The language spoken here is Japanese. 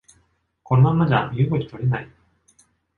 このままじゃ身動き取れない